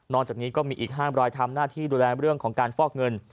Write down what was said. จากนี้ก็มีอีก๕รายทำหน้าที่ดูแลเรื่องของการฟอกเงิน